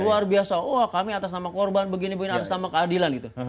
luar biasa wah kami atas nama korban begini begini atas nama keadilan gitu